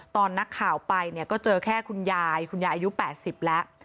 ตอนนักข่าวไปเนี่ยก็เจอแค่คุณยายคุณยายอายุ๘๐แล้ว